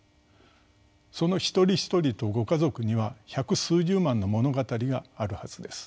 その一人一人とご家族には百数十万の物語があるはずです。